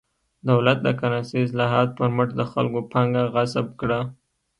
دولت د کرنسۍ اصلاحاتو پر مټ د خلکو پانګه غصب کړه.